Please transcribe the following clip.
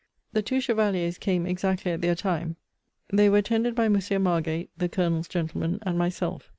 The two chevaliers came exactly at their time: they were attended by Monsieur Margate, (the Colonel's gentleman,) and myself.